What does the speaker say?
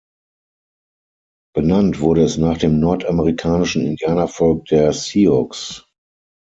Benannt wurde es nach dem nordamerikanischen Indianervolk der Sioux.